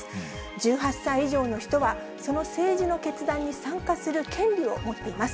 １８歳以上の人は、その政治の決断に参加する権利を持っています。